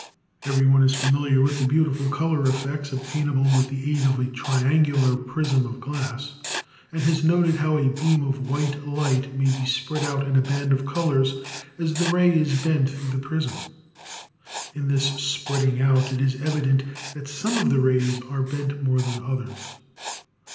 Every one is familiar with the beautiful color effects obtainable with the aid of a triangular prism of glass, and has noted how a beam of "white" light may be spread out into a band of colors as the ray is bent through the prism. In this spreading out it is evident that some of the rays are bent more than others.